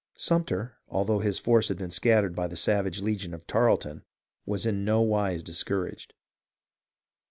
Sumter, although his force had been scattered by the savage legion of Tarleton, was in no wise discouraged.